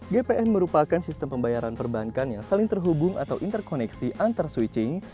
gpn merupakan sistem pembayaran perbankan yang saling terhubung atau interkoneksi antar switching